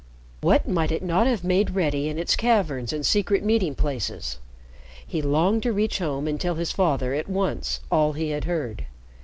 What might it not have made ready in its caverns and secret meeting places! He longed to reach home and tell his father, at once, all he had heard.